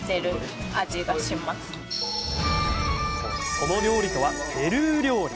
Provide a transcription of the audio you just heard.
その料理とは、ペルー料理。